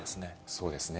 そうですね。